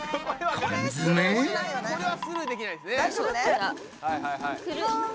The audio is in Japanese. これはスルーできないですね。